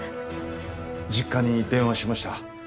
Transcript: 実家に電話しました。